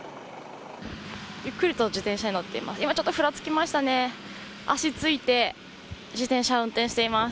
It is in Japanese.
ゆっくりと自転車に乗っています。